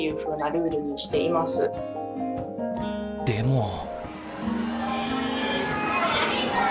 でも。